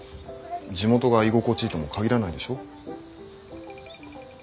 地元が居心地いいとも限らないでしょ？